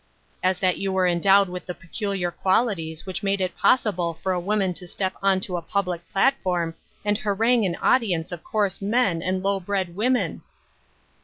" As that you were endowed with the peculiar qualities which make it possible for a woman to step on to a public platform and harangue an audience of coarse men and low bred women